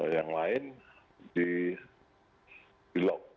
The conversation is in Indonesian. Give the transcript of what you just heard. yang lain di lock